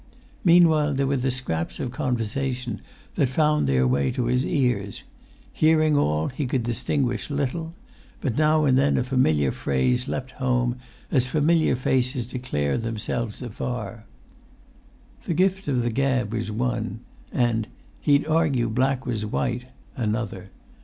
Meanwhile there were the scraps of conversation that found their way to his ears. Hearing all, he could distinguish little; but now and then a familiar phrase leapt home, as familiar faces declare themselves afar. "The gift of the gab" was one, and "He'd argue black was white" another.